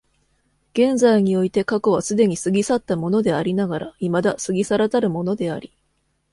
現在において過去は既に過ぎ去ったものでありながら未だ過ぎ去らざるものであり、